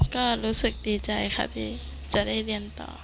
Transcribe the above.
ก็รู้สึกดีใจค่ะที่จะได้เรียนต่อ